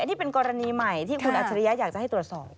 นี่เป็นกรณีใหม่ที่คุณอัจฉริยะอยากจะให้ตรวจสอบ